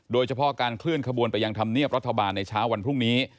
โดยเฉพาะการเคลื่อนขบวนไปยังธรรมเนียบรัฐบาลในเช้าวันพรุ่งนี้